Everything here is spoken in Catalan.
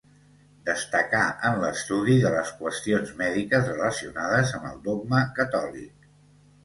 Destacà en l'estudi de les qüestions mèdiques relacionades amb el dogma catòlic.